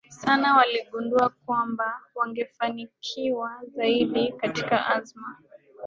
sana waligundua kwamba wangefanikiwa zaidi katika azma